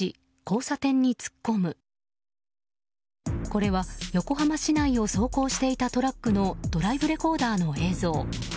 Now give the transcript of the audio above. これは、横浜市内を走行していたトラックのドライブレコーダーの映像。